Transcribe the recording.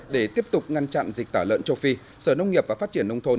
để tiếp tục ngăn chặn dịch tả lợn châu phi sở nông nghiệp và phát triển nông thôn